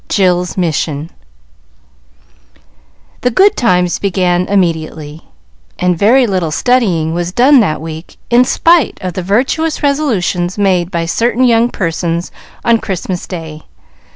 Jill's Mission The good times began immediately, and very little studying was done that week in spite of the virtuous resolutions made by certain young persons on Christmas Day.